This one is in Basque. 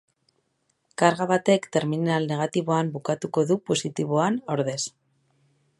Karga batek terminal negatiboan bukatuko du positiboan ordez.